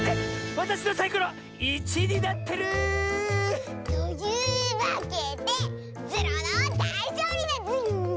わたしのサイコロ１になってる！というわけでズルオのだいしょうりだズル！